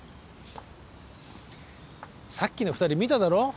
さっきの２人見ただろ？